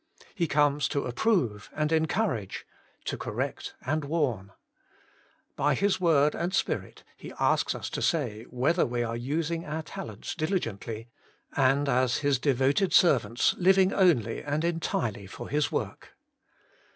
He comes to approve and encourage, to cor rect and warn. By His word and Spirit He asks us to say whether we are using our talents diligently, and, as His devoted serv ants, living only and entirely for His work.